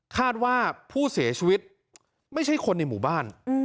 คาดว่าผู้เสียชีวิตไม่ใช่คนในหมู่บ้าน